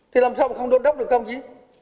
thì làm sao mà không đôn đốc được công chí